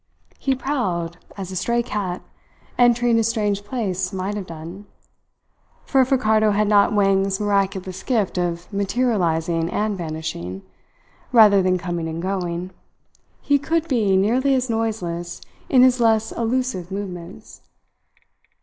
He prowled as a stray cat entering a strange place might have done, for if Ricardo had not Wang's miraculous gift of materializing and vanishing, rather than coming and going, he could be nearly as noiseless in his less elusive movements.